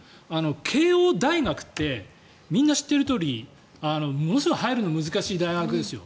慶應大学ってみんな知っているとおりものすごい入るの難しい大学ですよ